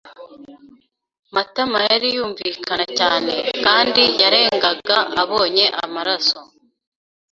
Matama yariyunvikana cyane kandi yarengaga abonye amaraso.